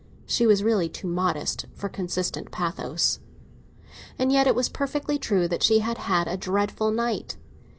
She was really too modest for consistent pathos. And yet it was perfectly true that she had had a dreadful night.